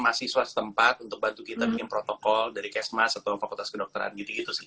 mahasiswa setempat untuk bantu kita bikin protokol dari kesmas atau fakultas kedokteran gitu gitu sih